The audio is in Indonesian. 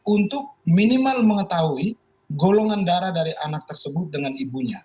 untuk minimal mengetahui golongan darah dari anak tersebut dengan ibunya